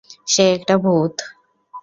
সে একটা ভূত।